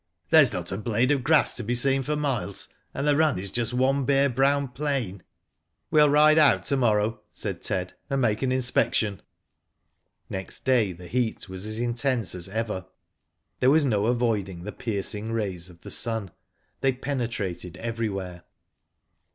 There is not a blade of grass to be seen for miles, and the run is just one bare brown plain." '* We'll ride out to morrow," said Ted, and make an inspection." Next day the heat was as intense as ever. There was no avoiding the piercing rays of the sun, they penetrated everywhere.